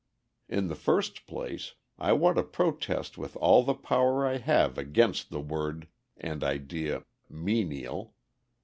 In the first place I want to protest with all the power I have against the word and idea "menial."